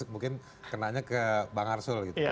mungkin kenanya ke bang arsul gitu